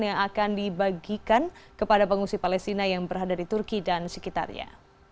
yang akan dibagikan kepada pengungsi palestina yang berada di turki dan sekitarnya